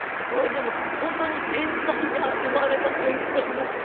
でも本当に天才が生まれた瞬間ですね。